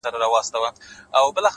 خپل عادتونه خپل راتلونکی جوړوي،